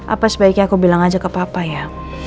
apa sebaiknya aku bilang aja ke papa ya